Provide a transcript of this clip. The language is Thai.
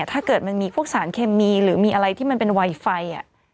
ถ้าเกิดมันมีพวกสารเคมีหรือมีอะไรที่มันเป็นไวไฟ